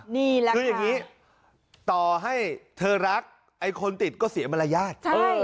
นี่แหละค่ะคืออย่างนี้ต่อให้เธอรักไอ้คนติดก็เสียมารยาท